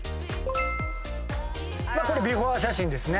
これはビフォー写真ですね。